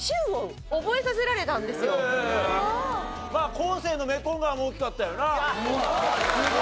昴生のメコン川も大きかったよな。